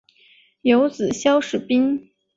有子萧士赟。